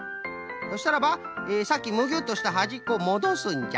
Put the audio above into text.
そしたらばさっきむぎゅっとしたはじっこをもどすんじゃ。